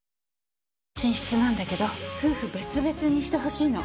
寝室なんだけど夫婦別々にしてほしいの。